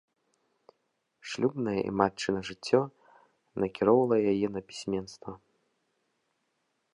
Шлюбнае і матчына жыццё накіроўвала яе на пісьменства.